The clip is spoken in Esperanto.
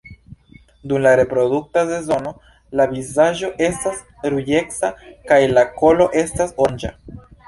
Dum la reprodukta sezono, la vizaĝo estas ruĝeca kaj la kolo estas oranĝa.